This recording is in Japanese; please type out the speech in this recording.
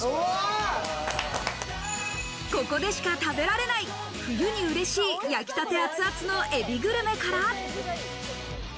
ここでしか食べられない冬にうれしい、焼きたて熱々のエビグルメから。